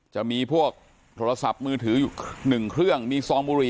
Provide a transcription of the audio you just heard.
จะมีพวกโทรศัพท์มือถืออยู่๑เครื่องมีซองบุหรี่